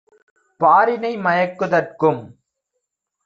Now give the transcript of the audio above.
பாரினை மயக்கு தற்கும்